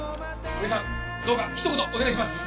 「お兄さんどうかひと言お願いします」